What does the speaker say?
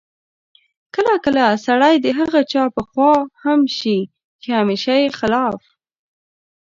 کله کله سړی د هغه چا په خوا هم شي چې همېشه یې خلاف